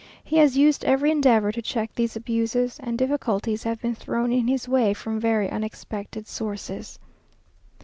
He has used every endeavour to check these abuses; and difficulties have been thrown in his way from very unexpected sources....